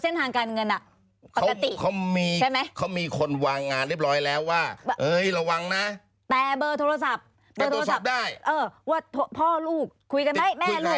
ว่าพ่อลูกคุยกันไหมแม่ลูกคุยกันไหม